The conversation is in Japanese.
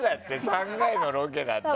３回のロケだったら。